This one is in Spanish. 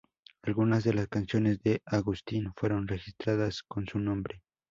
Algunas de las canciones de Agustín fueron registradas con su nombre.